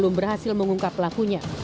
untuk berhasil mengungkap pelakunya